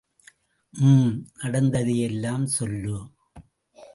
ம்... நடந்ததையெல்லாம் சொல்லு.